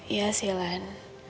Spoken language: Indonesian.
iya sih alan